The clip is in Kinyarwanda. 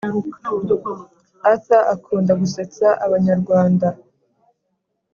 arthur akunda gusetsa abanyarwanda.